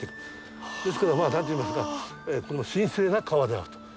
ですから何といいますか神聖な川であると。